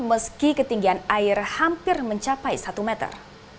meski ketinggian air hampir mencapai satu meter